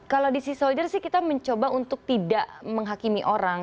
kalau di sea solder sih kita mencoba untuk tidak menghakimi orang